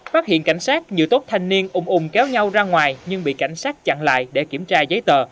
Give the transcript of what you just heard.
phát hiện cảnh sát nhiều tốt thanh niên ủng úm kéo nhau ra ngoài nhưng bị cảnh sát chặn lại để kiểm tra giấy tờ